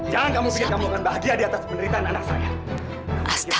jangan gak mungkin kamu akan bahagia di atas penderitaan anak saya